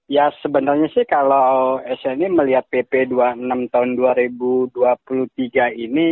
ya sebenarnya sih kalau sln melihat pp dua puluh enam tahun dua ribu dua puluh tiga ini